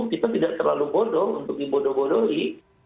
kita tidak terlalu bodoh untuk dibodoh bodohi